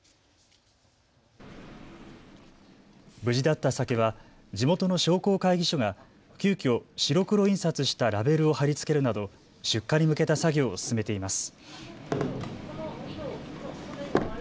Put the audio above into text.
無事だった酒は地元の商工会議所が急きょ、白黒印刷したラベルを貼り付けるなど出荷に向けた作業を進めています。